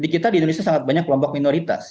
di kita di indonesia sangat banyak kelompok minoritas